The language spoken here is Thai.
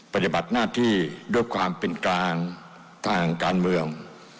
ปฏิบัติหน้าที่ด้วยความเป็นกลางทางการเมือง